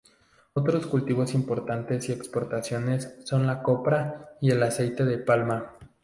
Otros cultivos importantes y exportaciones son la copra y el aceite de palma.